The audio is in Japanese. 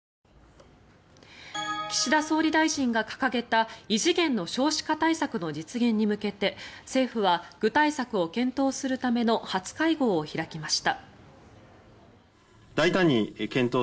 岸田総理大臣が掲げた異次元の少子化対策の実現に向けて政府は具体策を検討するための初会合を開きました。